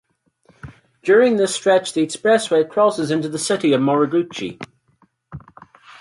During this stretch the expressway crosses into the city of Moriguchi.